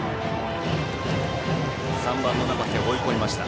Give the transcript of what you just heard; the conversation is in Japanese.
３番の中瀬を追い込みました。